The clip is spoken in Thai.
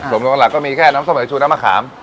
ส่วนผลของหลักก็มีแค่น้ำส้มเหนือชูน้ำมะขาม